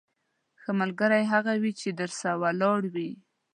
ښه ملګری هغه وي چې درسره ولاړ وي.